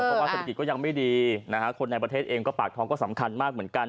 เพราะว่าเศรษฐกิจก็ยังไม่ดีนะฮะคนในประเทศเองก็ปากท้องก็สำคัญมากเหมือนกัน